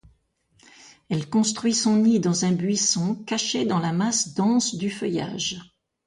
Elle construit son nid dans un buisson, caché dans la masse dense du feuillage.